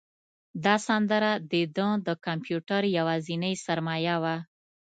دا سندره د ده د کمپیوټر یوازینۍ سرمایه وه.